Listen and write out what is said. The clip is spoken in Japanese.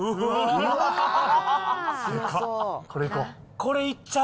これいこう。